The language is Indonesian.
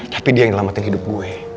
tapi dia yang ngelamatin hidup gue